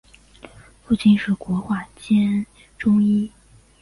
父亲是国画家兼中医。